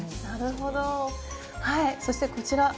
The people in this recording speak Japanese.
はいそしてこちら。